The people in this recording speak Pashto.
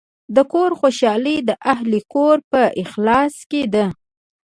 د کور خوشحالي د اهلِ کور په اخلاص کې ده.